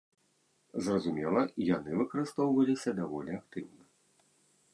Зразумела, яны выкарыстоўваліся даволі актыўна.